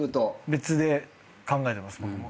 別で考えてます僕も。